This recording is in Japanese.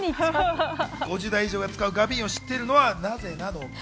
５０代以上が使う「がびーん」を知っているのはなぜなのか。